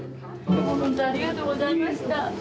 ほんとありがとうございました。